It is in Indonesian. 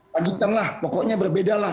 lanjutan lah pokoknya berbeda lah